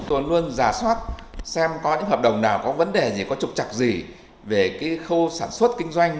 tôi luôn giả soát xem có những hợp đồng nào có vấn đề gì có trục trặc gì về cái khâu sản xuất kinh doanh